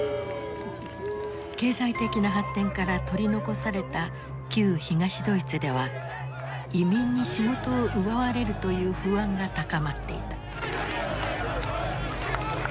経済的な発展から取り残された旧東ドイツでは移民に仕事を奪われるという不安が高まっていた。